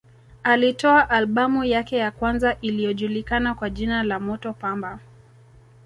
Alitoa albamu yake ya kwanza iliyojulikana kwa jina la Moto Pamba